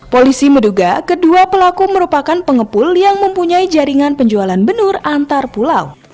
polisi menduga kedua pelaku merupakan pengepul yang mempunyai jaringan penjualan benur antar pulau